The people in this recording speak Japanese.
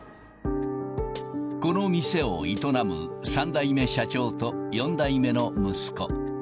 この店を営む３代目社長と４代目の息子。